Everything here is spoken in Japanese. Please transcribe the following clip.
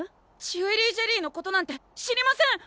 ジュエリージェリーのことなんて知りません！